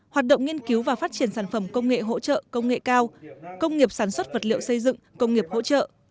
hoạt động nghiên cứu và phát triển sản phẩm công nghệ hỗ trợ công nghệ cao công nghiệp sản xuất vật liệu xây dựng công nghiệp hỗ trợ